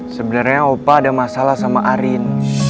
sebenarnya opa ada masalah sama arin